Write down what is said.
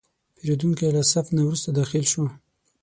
پیرودونکی له صف نه وروسته داخل شو.